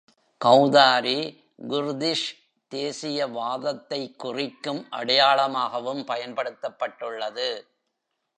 கௌதாரி Kurdish தேசியவாதத்தை குறிக்கும் அடையாளமாகவும் பயன்படுத்தப்பட்டுள்ளது.